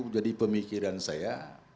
jadi pemikiran saya